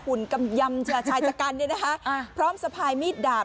หุ่นกำยำชายจักรกันนี่นะคะอ้าวพร้อมสะพายมีดดาบ